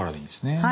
はい。